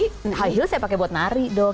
high heels saya pakai buat nari dong